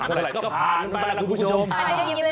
ไม่ค่อยได้ผลเพราะว่าปล่อยไปแล้วมันเงียบ